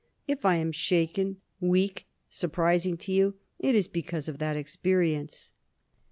If I am shaken, weak, surprising to you, it is because of that experience."